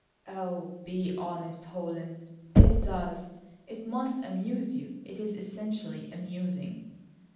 "Oh, be honest, Holland, it does, it must amuse you. It is essentially amusing."